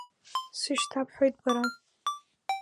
Сышьҭабҳәоит бара.